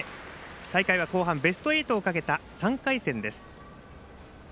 大会は後半ベスト８をかけた３回戦です。